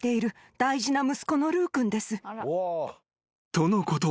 ［とのこと。